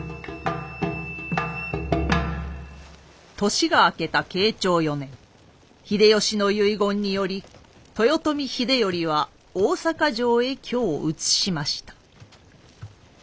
年が明けた慶長四年秀吉の遺言により豊臣秀頼は大坂城へ居を移しました。